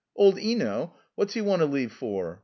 Old Eno? What's he want to leave for?"